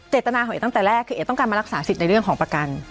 ตนาของเอกตั้งแต่แรกคือเอกต้องการมารักษาสิทธิ์ในเรื่องของประกัน